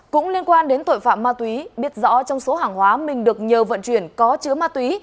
cũng liên quan đến tội phạm ma túy biết rõ trong số hàng hóa mình được nhờ vận chuyển có chứa ma túy